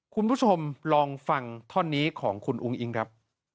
คุณผู้ชมลองฟังท่อนนี้ของคุณอุ้งอิงครับ